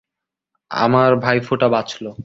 আমার ভাইফোঁটা বাঁচল।